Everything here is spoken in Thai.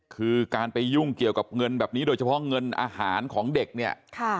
คือการไปยุ่งเกี่ยวกับเงินแบบนี้โดยเฉพาะเงินอาหารของเด็กเนี่ย